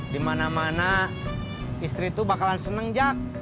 di mana mana istri itu bakalan seneng jak